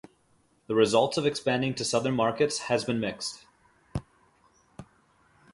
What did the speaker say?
The results of expanding to Southern markets has been mixed.